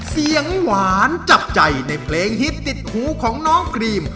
เสียงหวานจับใจในเพลงฮิตติดหูของน้องกรีม